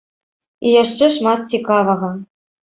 І яшчэ шмат цікавага.